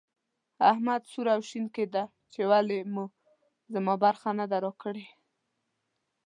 احمد سور او شين کېدی چې ولې مو زما برخه نه ده راکړې.